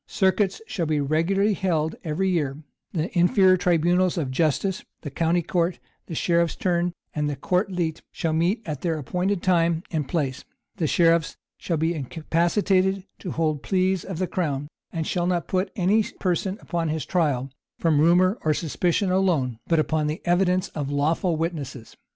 Circuits shall be regularly held every year: the inferior tribunals of justice, the county court, sheriff's turn, and court leet shall meet at their appointed time and place: the sheriffs shall be incapacitated to hold pleas of the crown; and shall not put any person upon his trial, from rumor or suspicion alone, but upon the evidence of lawful witnesses.